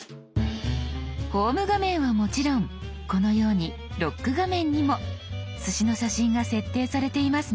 「ホーム画面」はもちろんこのように「ロック画面」にもすしの写真が設定されていますね。